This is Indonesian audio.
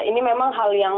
ini memang hal yang